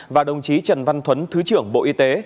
và đồng chí trần văn thuấn thứ trưởng bộ y tế